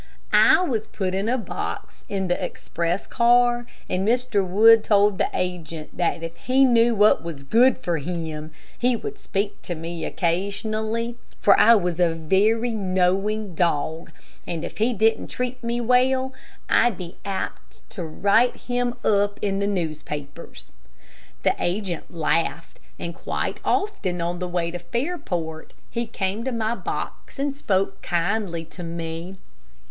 I was put in a box in the express car, and Mr. Wood told the agent that if he knew what was good for him he would speak to me occasionally, for I was a very knowing dog, and if he didn't treat me well, I'd be apt to write him up in the newspapers. The agent laughed, and quite often on the way to Fairport, he came to my box and spoke kindly to me.